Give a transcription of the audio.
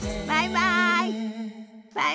バイバイ。